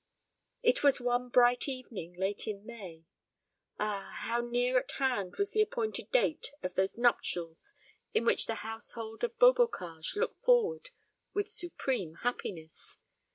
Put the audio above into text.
It was one bright evening late in May. Ah, how near at hand was the appointed date of those nuptials to which the household of Beaubocage looked forward with supreme happiness!